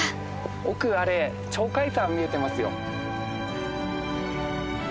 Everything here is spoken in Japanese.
奥あれ鳥海山見えてますよ。